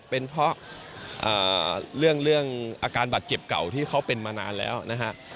เป็นเพราะเรื่องอาการบาดเจ็บเก่าที่เขาเป็นมานานแล้วนะฮะ